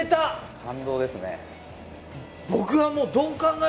感動ですね。